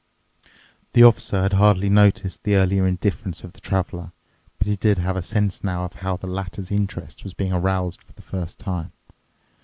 The Officer had hardly noticed the earlier indifference of the Traveler, but he did have a sense now of how the latter's interest was being aroused for the first time.